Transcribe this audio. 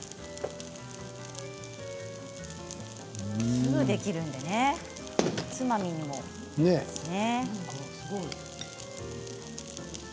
すぐできるんでねおつまみにもいいですね。